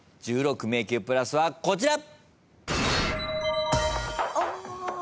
１６迷宮プラスはこちら。